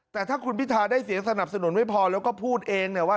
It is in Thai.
แต่ถ้าคุณพิทาได้เสียงสนับสนุนไม่พอแล้วก็พูดเองเนี่ยว่า